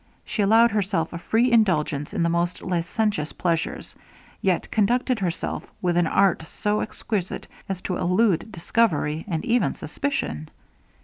She allowed herself a free indulgence in the most licentious pleasures, yet conducted herself with an art so exquisite as to elude discovery, and even suspicion.